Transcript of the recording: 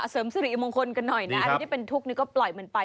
เสริมสิริมงคลกันหน่อยนะอะไรที่เป็นทุกข์นี่ก็ปล่อยมันไป